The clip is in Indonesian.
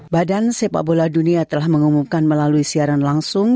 badan sepak bola dunia telah mengumumkan melalui siaran langsung